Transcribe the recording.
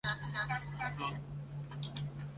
婺源凤仙花为凤仙花科凤仙花属下的一个种。